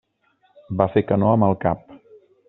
Va fer que no amb el cap.